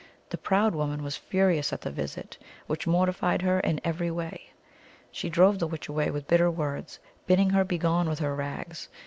The proud woman was furious at the visit, which mortified her in every way. She drove the witch away with bitter words, bidding her begone with her rags.